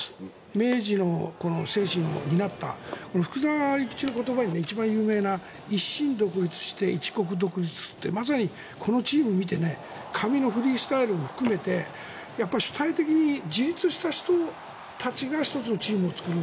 明治の精神を担った福沢諭吉の言葉に一番有名な一身独立して一国独立すまさにこのチームを見て髪のフリースタイルも含めて主体的に自立した人たちが１つのチームを作る。